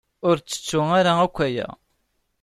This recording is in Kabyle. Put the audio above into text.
Ur ttettu ara akk aya.